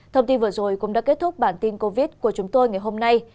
thông tin vừa rồi cũng đã kết thúc bản tin covid của chúng tôi ngày hôm nay